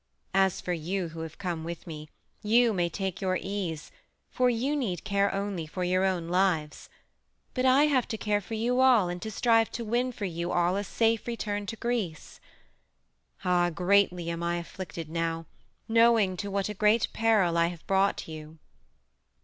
As for you who have come with me, you may take your ease, for you need care only for your own lives. But I have to care for you all, and to strive to win for you all a safe return to Greece. Ah, greatly am I afflicted now, knowing to what a great peril I have brought you!"